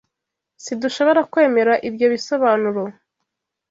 Sidushobora kwemera ibyo bisobanuro.